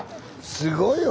すごいよ。